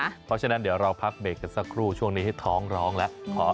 เพราะฉะนั้นเดี๋ยวเราพักเบรกกันสักครู่ช่วงนี้ให้ท้องร้องแล้ว